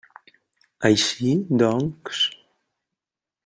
Així doncs?